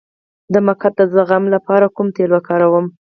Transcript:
د مقعد د زخم لپاره کوم تېل وکاروم؟